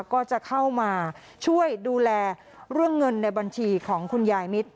ก็จะเข้ามาช่วยดูแลเรื่องเงินในบัญชีของคุณยายมิตร